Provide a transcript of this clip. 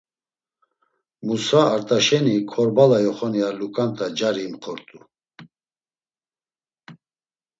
Musa Art̆aşeni Korbala yoxoni ar luǩonta cari imxort̆u.